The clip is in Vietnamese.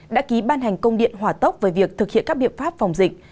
đã ký ban hành công điện hỏa tốc về việc thực hiện các biện pháp phòng dịch